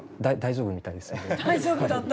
大丈夫だった。